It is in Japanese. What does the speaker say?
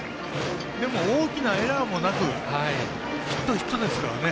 でも大きなエラーもなくヒット、ヒットですからね。